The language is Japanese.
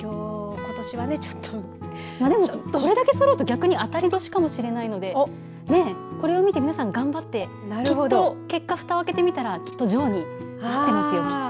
これだけそろうと逆に当たれ年かもしれないのでこれを見て頑張ってふたを開けてみたらきっと上になってますよきっと。